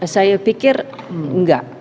saya pikir enggak